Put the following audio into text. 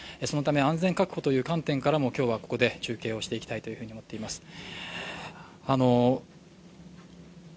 そのため安全確保という観点からも今日はここで中継をしていきたいと思っています。